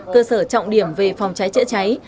cơ sở trọng điểm về phòng cháy chữa cháy